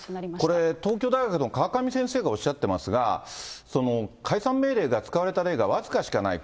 これ、東京大学の河上先生がおっしゃってますが、解散命令が使われた例が僅かしかない。